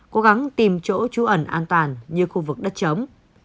cố gắng tìm chỗ chú ẩn an toàn như khu vực đất chấm